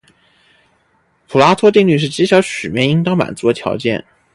普拉托定律是极小曲面应当满足的条件。